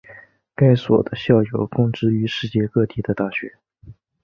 该所的校友供职于世界各地的大学。